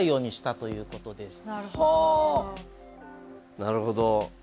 なるほど。